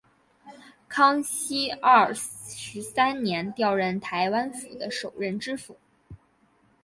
康熙廿三年调任台湾府的首任知府。